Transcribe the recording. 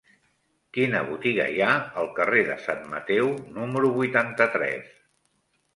Quina botiga hi ha al carrer de Sant Mateu número vuitanta-tres?